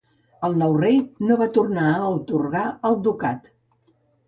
El nou rei no va tornar a atorgar el ducat.